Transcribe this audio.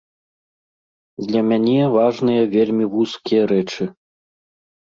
Для мяне важныя вельмі вузкія рэчы.